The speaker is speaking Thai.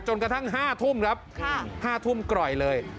จนกระทั่งห้าทุ่มครับห้าทุ่มกล่อยเลย